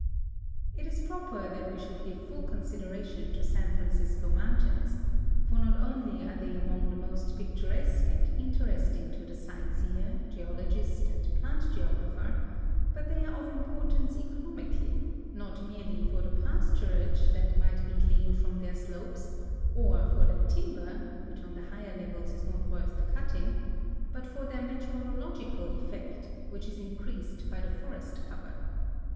It is proper that we should give full consideration to San Fran cisco mountains, for not only are they among the most picturesque and interesting to the sightseer, geologist, and plant geographer, THE FORESTS A XD DESER TS OF A RIZONA 2 1 1 but they are of imiiortance economically ; not merely for the i)j\.s turage that might be gleaned from their slopes, or for their timl>er (which on the higher levels is not worth the cutting), but for their meteorological effect, which is increased by the forest cover.